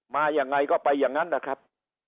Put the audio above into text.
มายังไงก็ไปอย่างนั้นนะครับ